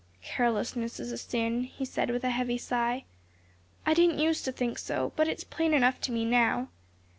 "Carelessness is a sin," he said with a heavy sigh. "I didn't use to think so, but it's plain enough to me now.